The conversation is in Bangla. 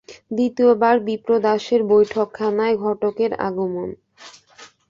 দ্বিতীয়বার বিপ্রদাসের বৈঠকখানায় ঘটকের আগমন।